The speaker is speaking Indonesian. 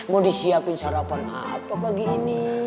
mau disiapin sarapan apa pagi ini